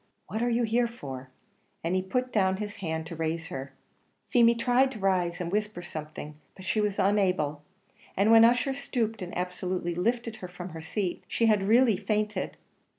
what are you here for?" and he put down his hand to raise her. Feemy tried to rise and whisper something, but she was unable, and when Ussher stooped and absolutely lifted her from her seat, she had really fainted.